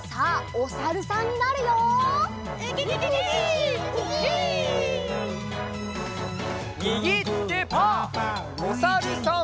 おさるさん。